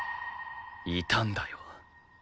いたんだよ。